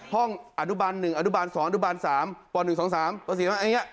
ห้องอนุบาลหนึ่งอนุบาลสองอนุบาลสามปวดหนึ่งสองสามปวดสี่สามอันนี้